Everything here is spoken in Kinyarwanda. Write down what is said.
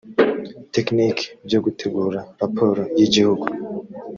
tekiniki byo gutegura raporo y igihugu